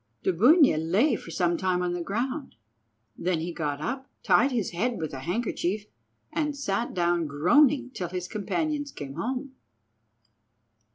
Dubunia lay for some time on the ground. Then he got up, tied up his head with a handkerchief, and sat down, groaning, till his companions came home.